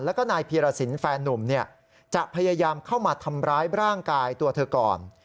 แล้วก็นายพีรสินแฟนนุ่มจะพยายามเข้ามาทำร้ายร่างกายตัวเธอก่อน